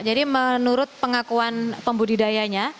jadi menurut pengakuan pembudidayanya